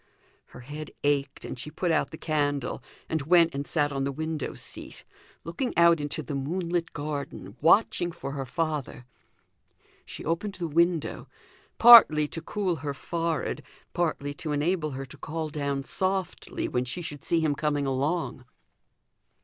Her head ached, and she put out the candle, and went and sat on the window seat, looking out into the moonlit garden, watching for her father. She opened the window; partly to cool her forehead, partly to enable her to call down softly when she should see him coming along.